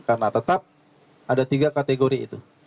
karena tetap ada tiga kategori itu